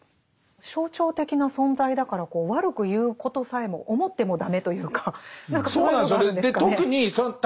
象徴的な存在だから悪く言うことさえも思っても駄目というか何かそういうのがあるんですかね。